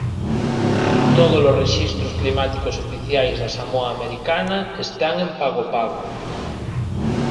Todos os rexistros climáticos oficiais da Samoa Americana están en Pago Pago.